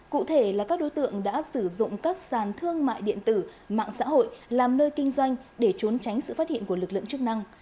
cụ thể là các đối tượng đã sử dụng các sàn thương mại điện tử mạng xã hội làm nơi kinh doanh để trốn tránh sự phát hiện của lực lượng chức năng